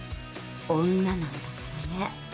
女なんだからね。